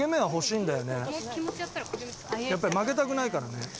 やっぱり負けたくないからね。